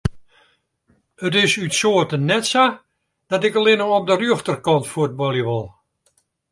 It is út soarte net sa dat ik allinne op de rjochterkant fuotbalje wol.